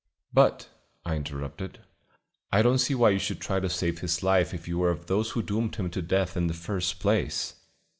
"But," I interrupted, "I don't see why you should try to save his life if you were of those who doomed him to death in the first place."